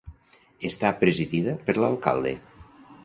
Està presidida per l'Alcalde.